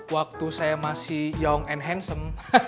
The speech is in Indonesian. waktu saya masih young and hansem